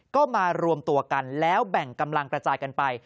ก็มารวมตัวกันแล้วแบ่งกำลังกระจายกันไป